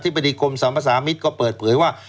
ปฏิภัทริปกรรมสมภสมิทธิ์กดเปิดเผยว่า